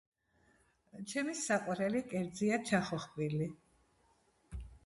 ჩემი საყვარელი კერძია ჩახოხბილი